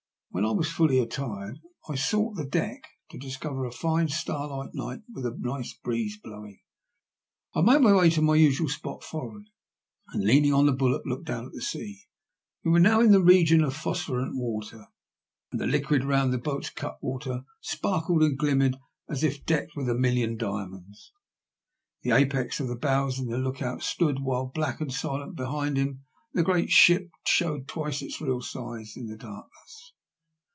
When I was fully attired I sought the deck, to discover a fine starlight night with a nice breeze blowing. I made my way to my usual spot forrard, and, leaning on the bulwark, looked down at the sea. We were now in the region of phosphorescent water, and the liquid round the boat's cutwater sparkled and glimmered as if decked with a million diamonds. In the apex of the bows the look out stood, while black and silent behind him the great ship showed twice its real size in the dark ness.